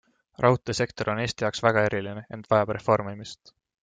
Raudteesektor on Eesti jaoks väga eriline, ent vajab reformimist.